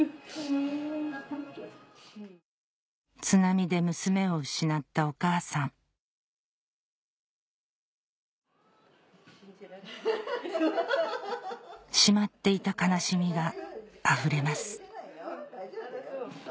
津波で娘を失ったお母さんしまっていた悲しみがあふれます